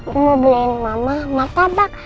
mau beliin mama martabak